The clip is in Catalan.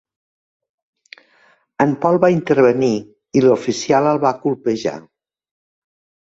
En Pol va intervenir i l'oficial el va colpejar.